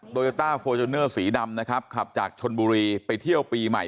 โยต้าฟอร์จูเนอร์สีดำนะครับขับจากชนบุรีไปเที่ยวปีใหม่